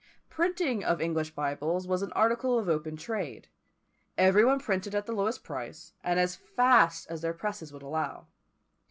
Printing of English Bibles was an article of open trade; every one printed at the lowest price, and as fast as their presses would allow.